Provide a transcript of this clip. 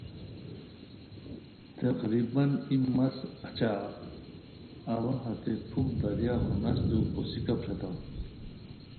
تقریباً ای مسہ اچی اوا ہتے پُھوک دریاہو نستو کوسیکہ پھریتام